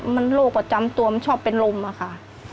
มันโรคประจำตัวมันชอบเป็นลมอะค่ะ